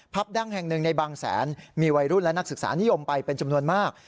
ดั้งแห่งหนึ่งในบางแสนมีวัยรุ่นและนักศึกษานิยมไปเป็นจำนวนมาก